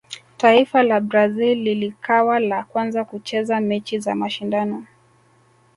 taifa la brazil lilikawa la kwanza kucheza mechi za mashindano